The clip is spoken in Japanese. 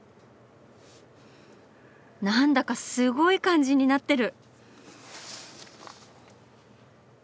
何だかすごい感じになってる！